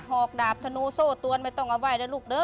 อกดาบทธนูโซ่ตวนไม่ต้องเอาไห้นะลูกเด้อ